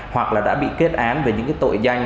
hoặc là đã bị kết án về những cái tội danh